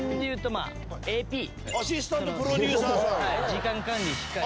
時間管理しっかり。